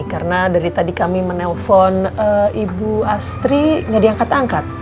karena dari tadi kami menelpon ibu astri gak diangkat angkat